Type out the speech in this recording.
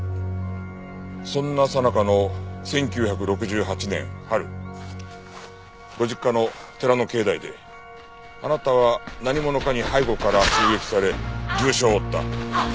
そんなさなかの１９６８年春ご実家の寺の境内であなたは何者かに背後から襲撃され重傷を負った。